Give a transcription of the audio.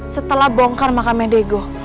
setelah bongkar makamnya diego